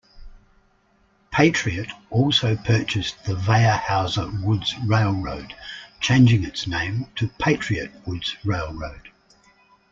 Patriot also purchased the Weyerhauser Woods Railroad, changing its name to Patriot Woods Railroad.